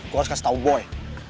gue harus kasih tahu boy